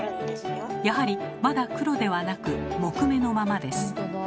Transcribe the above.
やはりまだ黒ではなく木目のままです。